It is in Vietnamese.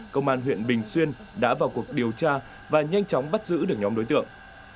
công an huyện bình xuyên đã vào cuộc điều tra và nhanh chóng bắt giữ được nhóm đối tượng